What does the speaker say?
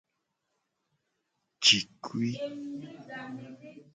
Jikui.